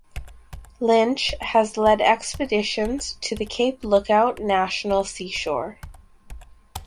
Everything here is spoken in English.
Lynch has led expeditions to the Cape Lookout National Seashore.